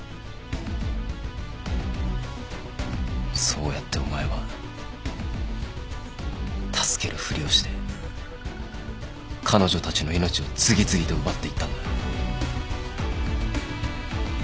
そうやってお前は助けるふりをして彼女たちの命を次々と奪っていったんだ。